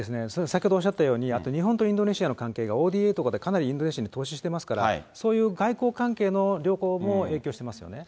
先ほどおっしゃったように、日本とインドネシアの関係がＯＤＡとかでかなりインドネシアに投資してますから、そういう外交関係のりょこうも影響してますよね。